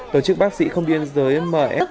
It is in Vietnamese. tổ chức bác sĩ không biên giới m e